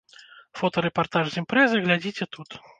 Фотарэпартаж з імпрэзы глядзіце тут.